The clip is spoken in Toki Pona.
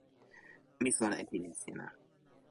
mi sona e pilin sina.